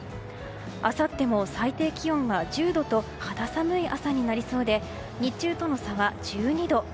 あさっても最低気温は１０度と肌寒い朝になりそうで日中との差は１２度。